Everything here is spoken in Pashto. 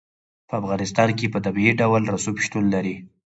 په افغانستان کې په طبیعي ډول رسوب شتون لري.